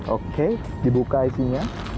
oke dibuka isinya